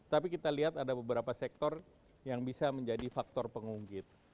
tapi kita lihat ada beberapa sektor yang bisa menjadi faktor pengungkit